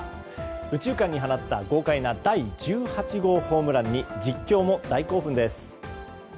右中間に放った豪快な１８号ホームランに実況も大興奮です。